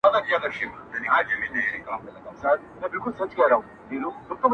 د غلیم جنګ ته وروتلي تنها نه سمیږو -